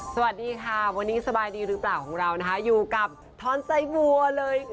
สวัสดีค่ะวันนี้สบายดีหรือเปล่าของเรานะคะอยู่กับทอนไซบัวเลย